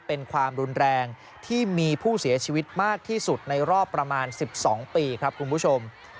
เป็นความรุนแรงที่มีผู้เสียชีวิตมากที่สุดในรอบประมาณ๑๒ปีครับคุณผู้ชม